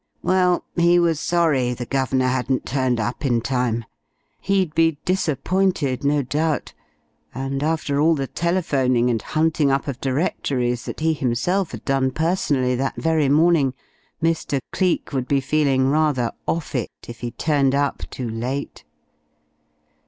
Well, he was sorry the guv'nor hadn't turned up in time. He'd be disappointed, no doubt, and after all the telephoning and hunting up of directories that he himself had done personally that very morning, Mr. Cleek would be feeling rather "off it" if he turned up too late.